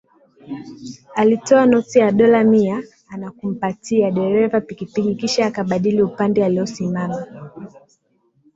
Alitoa noti ya dola mi ana kumpatia dereva pikipiki kisha akabadili upande aliosimama